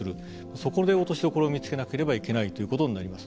そこで落としどころを見つけないといけないということになります。